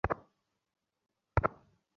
বিহারী কহিল, না মা, সে হয় না।